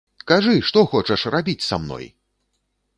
Кажы, што хочаш рабіць са мной?!